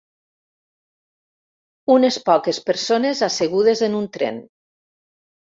Unes poques persones assegudes en un tren.